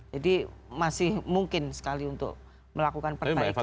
jadi masih mungkin sekali untuk melakukan perbaikan menuju kualitas